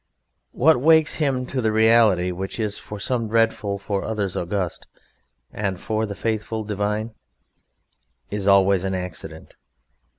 What wakes him to the reality which is for some dreadful, for others august, and for the faithful divine, is always an accident.